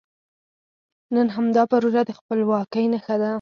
نن همدا پروژه د خپلواکۍ نښه ده.